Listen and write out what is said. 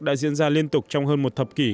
đã diễn ra liên tục trong hơn một thập kỷ